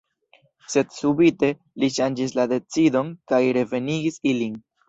Sed subite li ŝanĝis la decidon, kaj revenigis ilin.